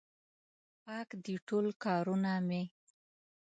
پاک دي ټول کارونه مې